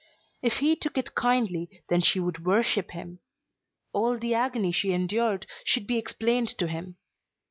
If he took it kindly then she would worship him. All the agony she endured should be explained to him.